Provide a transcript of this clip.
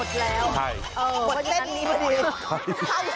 เขาหมดแล้วหมดแน่นเลยใช่